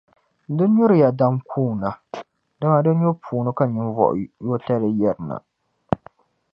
Di nyuriya dam kuuna, dama di nyubu puuni ka ninvuɣuyotali yirina.